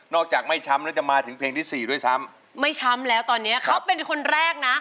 อกจากไม่ช้ำแล้วจะมาถึงเพลงที่สี่ด้วยซ้ำไม่ช้ำแล้วตอนเนี้ยเขาเป็นคนแรกนะ